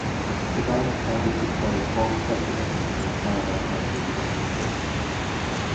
The band started to play folk festivals in Canada and the United States.